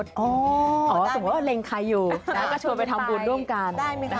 สมมุติว่าเล็งใครอยู่ก็ชวนไปทำบุญร่วมกัน